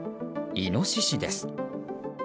イノシシです。